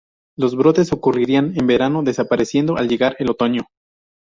Los brotes ocurrían en verano, desapareciendo al llegar el otoño.